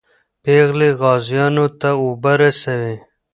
پېغلې غازیانو ته اوبه رسوي.